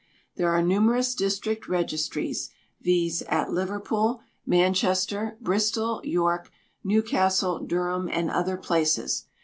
There are numerous district registries, viz., at Liverpool, Manchester, Bristol, York, Newcastle, Durham, and other places.